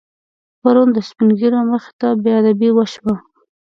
پرون د سپینږیرو مخې ته بېادبي وشوه.